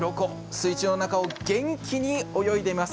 水中の中を元気に泳いでいます。